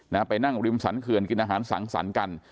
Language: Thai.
นะฮะไปนั่งบริมสรรคืนกินอาหารสังสรรค์กัน